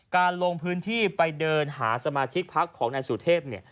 ลงพื้นที่ไปเดินหาสมาชิกพักของนายสุเทพ